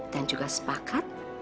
dan juga sepakat